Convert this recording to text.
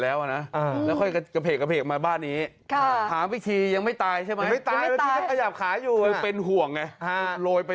อ่าจะเลี้ยงไว้ก่อนเนอะ